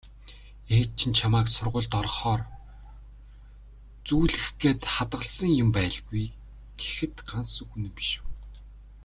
"Ээж чинь чамайг сургуульд орохоор зүүлгэх гээд хадгалсан юм байлгүй" гэхэд Гансүх үнэмшив.